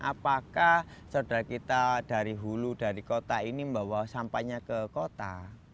apakah saudara kita dari hulu dari kota ini membawa sampahnya ke kota